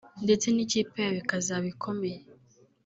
ndetse n’ikipe yabo ikazaba ikomeye